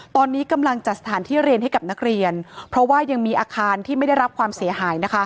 ตอนนี้กำลังจัดสถานที่เรียนให้กับนักเรียนเพราะว่ายังมีอาคารที่ไม่ได้รับความเสียหายนะคะ